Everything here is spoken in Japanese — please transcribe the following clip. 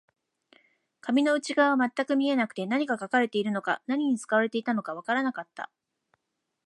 紙の内側は全く見えなくて、何が書かれているのか、何に使われていたのかわからなかった